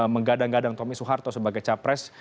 menggadang gadang tommy soeharto sebagai capres